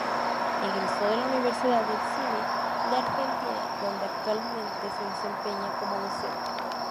Egresó de la Universidad del Cine de Argentina, donde actualmente se desempeña como docente.